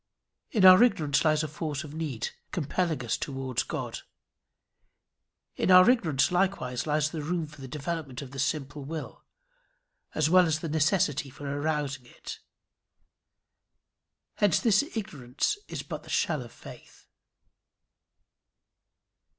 In our ignorance lies a force of need, compelling us towards God. In our ignorance likewise lies the room for the development of the simple will, as well as the necessity for arousing it. Hence this ignorance is but the shell of faith.